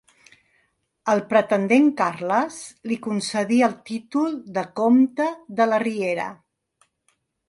El pretendent Carles li concedí el títol de comte de la Riera.